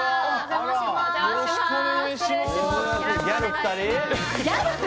よろしくお願いします